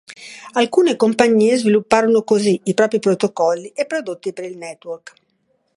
Alcune compagnie svilupparono così i propri protocolli e prodotti per il network.